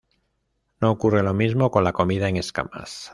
No ocurre lo mismo con la comida en escamas.